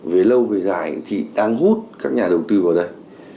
về lâu về dài thì đang hút các nhà đầu tư vào đây